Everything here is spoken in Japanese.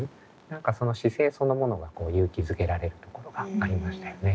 何かその姿勢そのものが勇気づけられるところがありましたよね。